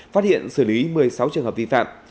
phát hiện xử lý một mươi sáu trường hợp vi phạm